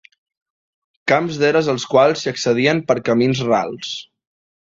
Camps d'eres als quals s'hi accedien per camins rals.